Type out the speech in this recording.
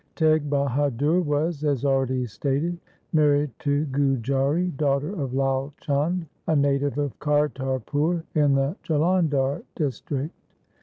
Teg Bahadur was, as already stated, married to Gujari, daughter of Lai Chand, a native of Kartarpur in the Jalandhar District.